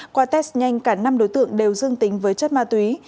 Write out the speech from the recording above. qua test nhanh cả năm đối tượng đều dương tính với chất ma túy